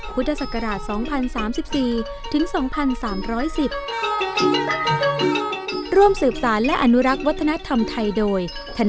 พุทธศักราช๒๐๓๔ถึง๒๓๑๐ร่วมสืบสารและอนุรักษ์วัฒนธรรมไทยโดย